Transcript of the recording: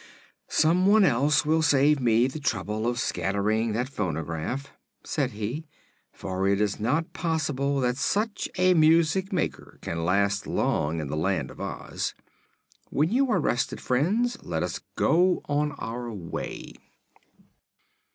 "Some one else will save me the trouble of scattering that phonograph," said he; "for it is not possible that such a music maker can last long in the Land of Oz. When you are rested, friends, let us go on our way."